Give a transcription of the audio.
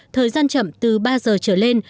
thời gian chậm từ ba giờ trở lên